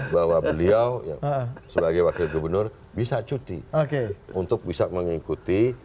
bahwa beliau sebagai wakil gubernur bisa cuti untuk bisa mengikuti